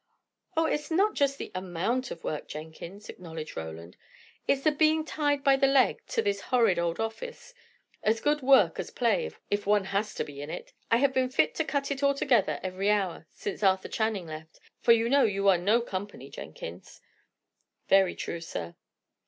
"Oh, it's not just the amount of work, Jenkins," acknowledged Roland; "it's the being tied by the leg to this horrid old office. As good work as play, if one has to be in it. I have been fit to cut it altogether every hour, since Arthur Channing left: for you know you are no company, Jenkins." "Very true, sir."